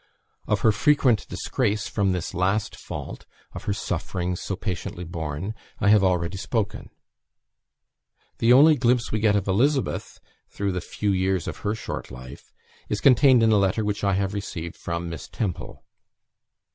Of her frequent disgrace from this last fault of her sufferings, so patiently borne I have already spoken. The only glimpse we get of Elizabeth, through the few years of her short life, is contained in a letter which I have received from "Miss Temple."